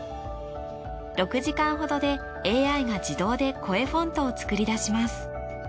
６時間ほどでＡＩが自動でコエフォントを作り出します。